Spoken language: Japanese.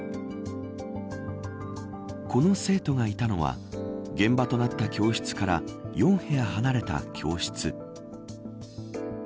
この生徒がいたのは現場となった教室から４部屋離れた教室。